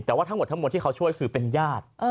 แต่ว่าทั้งหมดทั้งหมดที่เขาช่วยคือเป็นญาติ